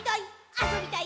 あそびたい！」